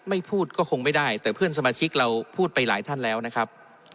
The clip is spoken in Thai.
ไม่พูดก็คงไม่ได้แต่เพื่อนสมาชิกเราพูดไปหลายท่านแล้วนะครับ